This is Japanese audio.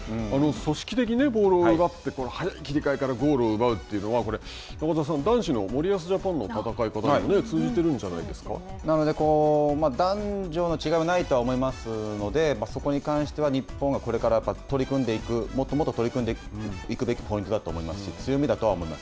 組織的にボールを奪って早い切り替えからゴールを奪うというのは男子の森保ジャパンの戦い方になので、男女の違いはないとは思いますのでそこに関しては日本がこれから取り組んでいくもっともっと取り組んでいくべきポイントだと思いますし、強みだと思います。